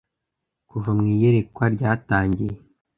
kuva mu iyerekwa ryatangiye